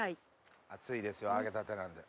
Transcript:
熱いですよ揚げたてなんで。